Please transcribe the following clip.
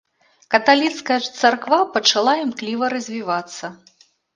Каталіцкая царква пачала імкліва развівацца.